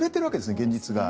現実が。